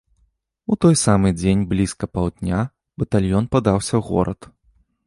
У той самы дзень блізка паўдня батальён падаўся ў горад.